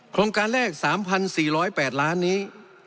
โครงการแรก๓๔๐๘ล้านนี้